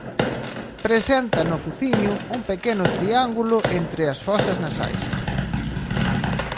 Presenta no fociño un pequeno triángulo entre as fosas nasais.